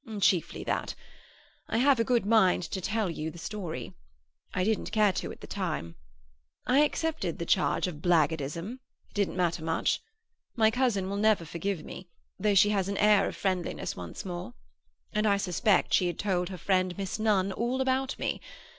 "Chiefly that. I have a good mind to tell you the true story; I didn't care to at the time. I accepted the charge of black guardism; it didn't matter much. My cousin will never forgive me, though she has an air of friendliness once more. And I suspect she had told her friend Miss Nunn all about me.